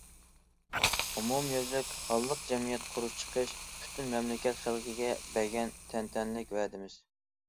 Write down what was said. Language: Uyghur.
ئومۇميۈزلۈك ھاللىق جەمئىيەت قۇرۇپ چىقىش پۈتۈن مەملىكەت خەلقىگە بەرگەن تەنتەنىلىك ۋەدىمىز.